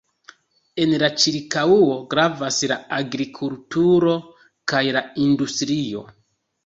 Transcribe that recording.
En la ĉirkaŭo gravas la agrikulturo kaj la industrio.